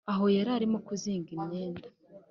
aho yararimo kuzinga imyenda,